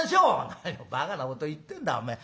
「何をばかなこと言ってんだお前。